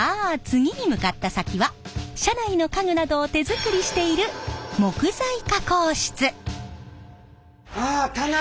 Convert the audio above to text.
次に向かった先は車内の家具などを手作りしているああ棚ね！